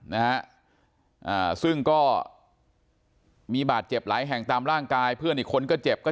นะฮะอ่าซึ่งก็มีบาดเจ็บหลายแห่งตามร่างกายเพื่อนอีกคนก็เจ็บก็